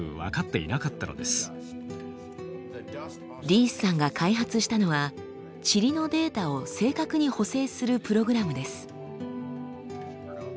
リースさんが開発したのはチリのデータを正確に補正するプログラムです。